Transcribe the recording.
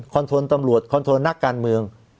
โทรตำรวจคอนโทรนักการเมือง